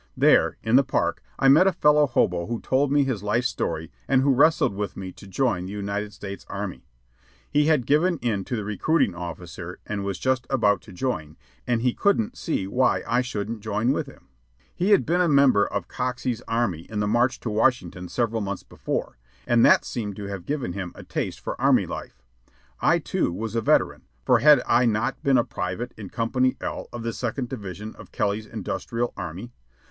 There, in the park, I met a fellow hobo who told me his life story and who wrestled with me to join the United States Army. He had given in to the recruiting officer and was just about to join, and he couldn't see why I shouldn't join with him. He had been a member of Coxey's Army in the march to Washington several months before, and that seemed to have given him a taste for army life. I, too, was a veteran, for had I not been a private in Company L of the Second Division of Kelly's Industrial Army?